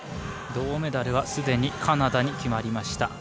銅メダルはすでにカナダに決まりました。